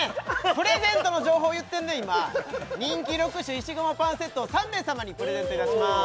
プレゼントの情報言ってんねん今人気６種石窯パンセットを３名様にプレゼントいたします